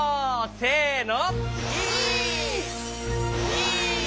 せの！